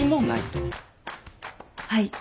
はい。